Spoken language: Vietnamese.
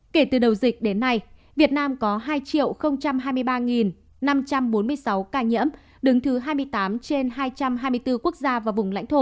kể từ đầu dịch đến nay việt nam có hai hai mươi ba năm trăm bốn mươi sáu ca nhiễm đứng thứ hai mươi tám trên hai trăm hai mươi bốn quốc gia và vùng lãnh thổ